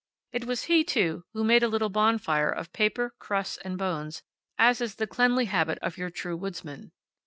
It was he, too, who made a little bonfire of papers, crusts, and bones, as is the cleanly habit of your true woodsman.